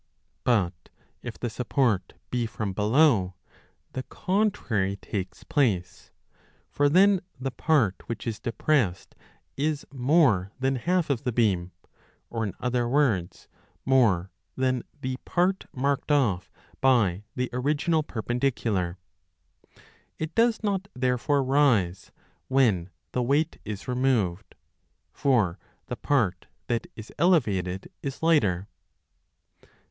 20 But if the support be from below, the contrary takes place. For then the part which is depressed is more than half of the beam, or in other words, more than the part marked off by the original perpendicular; it does not therefore rise, when the weight is removed, for the .part that is elevated is lighter.